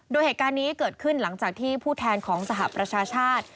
โดยเหตุการณ์นี้เกิดขึ้นหลังจากที่ผู้แทนของสหประชาชาติ